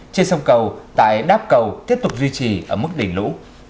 trên sông cầu tại đáp cầu tiếp tục duy trì ở mức đỉnh lũ